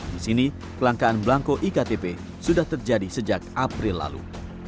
di sini kelangkaan belangko iktp sudah terjadi sejak april lalu